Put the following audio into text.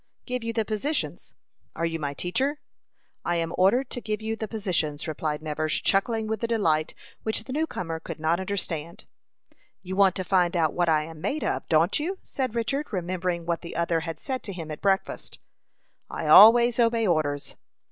"Give you the positions." "Are you my teacher?" "I am ordered to give you the positions," replied Nevers, chuckling with a delight which the new comer could not understand. "You want to find out what I am made of don't you?" said Richard, remembering what the other had said to him at breakfast. "I always obey orders."